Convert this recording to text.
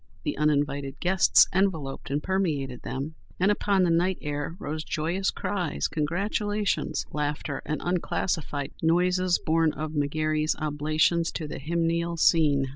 The uninvited guests enveloped and permeated them, and upon the night air rose joyous cries, congratulations, laughter and unclassified noises born of McGary's oblations to the hymeneal scene.